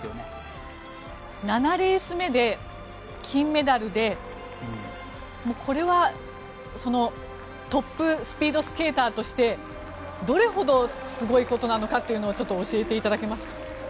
７レース目で金メダルでこれはトップスピードスケーターとしてどれほどすごいことなのかというのを教えていただけますか？